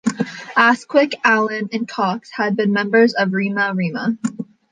Asquith, Allen and Cox had been members of Rema-Rema.